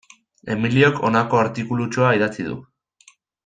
Emiliok honako artikulutxoa idatzi du.